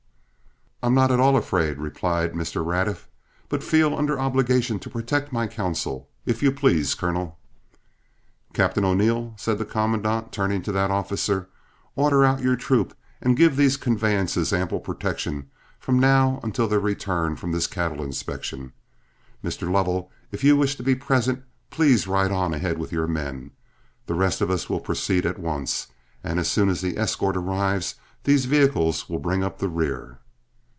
"I'm not at all afraid," replied Mr. Raddiff, "but feel under obligation to protect my counsel. If you please, Colonel." "Captain O'Neill," said the commandant, turning to that officer, "order out your troop and give these conveyances ample protection from now until their return from this cattle inspection. Mr. Lovell, if you wish to be present, please ride on ahead with your men. The rest of us will proceed at once, and as soon as the escort arrives, these vehicles will bring up the rear."